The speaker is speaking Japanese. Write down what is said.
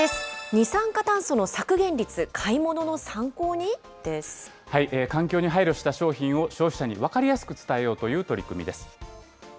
二酸化炭素の削減率、買い物の参環境に配慮した商品を消費者に分かりやすく伝えようという取り組みです。